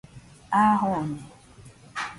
A jone